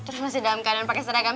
terus masih dalam keadaan pakai seragam